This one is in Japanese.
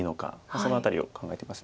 その辺りを考えてます。